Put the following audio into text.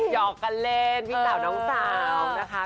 หอกกันเล่นพี่สาวน้องสาวนะคะ